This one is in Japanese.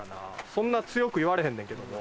そんな強く言われへんねんけども。